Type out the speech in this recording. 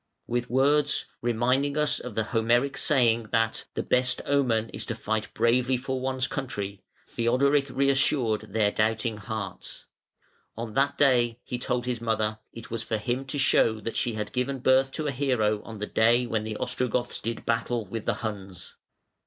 With words, reminding us of the Homeric saying that "the best omen is to fight bravely for one's country", Theodoric reassured their doubting hearts. On that day, he told his mother, it was for him to show that she had given birth to a hero on the day when the Ostrogoths did battle with the Huns.